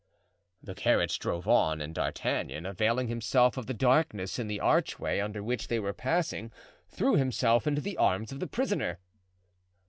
The carriage drove on and D'Artagnan, availing himself of the darkness in the archway under which they were passing, threw himself into the arms of the prisoner.